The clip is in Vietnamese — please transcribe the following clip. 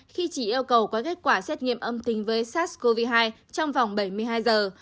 khi chỉ yêu cầu có kết quả xét nghiệm âm tính với sars cov hai trong vòng bảy mươi hai giờ